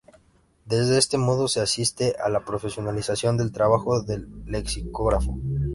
De este modo se asiste a la profesionalización del trabajo del lexicógrafo.